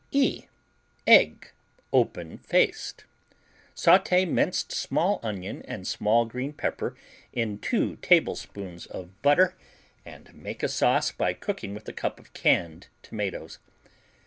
E Egg, Open faced Sauté minced small onion and small green pepper in 2 tablespoons of butter and make a sauce by cooking with a cup of canned tomatoes.